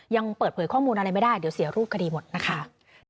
ยังเปิดเผยข้อมูลอะไรไม่ได้เดี๋ยวเสียรูปคดีหมดนะคะ